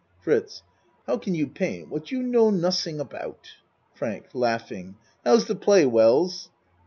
FRITZ How can you paint what you know nud ding about? FRANK How's the play, Wells?